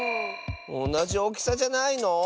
おなじおおきさじゃないの？